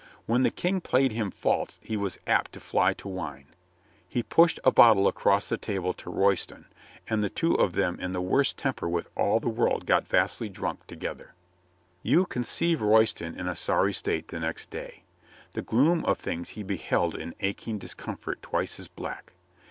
When the King played him false he was apt to fly to wine. He pushed a bottle across the table to Royston, and the two of them in the worst temper with all the world got vastly drunk together. You conceive Royston in a sorry state the next day. The gloom of things he beheld in aching dis comfort twice as black.